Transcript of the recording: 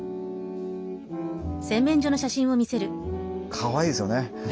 かわいいですよね。